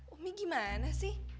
umi gimana sih